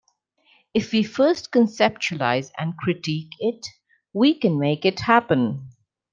If we first conceptualize and critique it, we can make it happen.